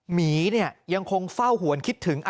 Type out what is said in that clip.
หมียังคงเฝ้าหวนคิดถึง